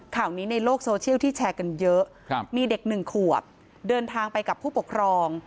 ข่าวนี้ในโลกโซเชียลที่แชร์กันเยอะมีเด็กหนึ่งขวบเดินทางไปกับผู้ปกครอง